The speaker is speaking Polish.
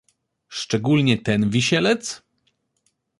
"Szczególnie ten Wisielec?"